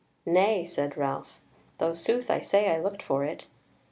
"Nay," said Ralph, "though sooth to say I looked for it."